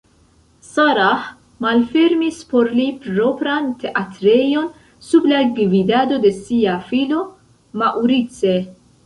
Sarah malfermis por li propran teatrejon sub la gvidado de sia filo Maurice.